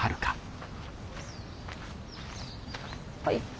はい。